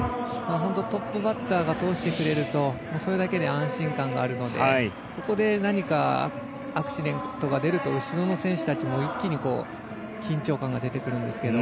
トップバッターが通してくれるとそれだけで安心感があるのでここで何かアクシデントが出ると後ろの選手たちも一気に緊張感が出てくるんですけど